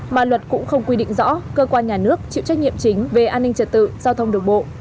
mà luật cũng không quy định rõ cơ quan nhà nước chịu trách nhiệm chính về an ninh trật tự giao thông đường bộ